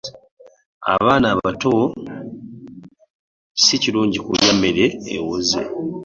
Abaana abato si kirungi okulya emmere ewoze.